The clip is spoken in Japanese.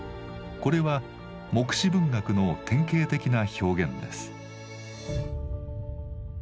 これは黙示文学の典型的な表現です。